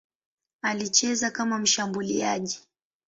Alicheza kama mshambuliaji.